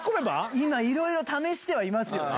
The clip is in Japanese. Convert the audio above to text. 今、いろいろ試してはいます